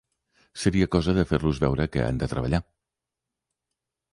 Seria cosa de fer-los veure que han de treballar.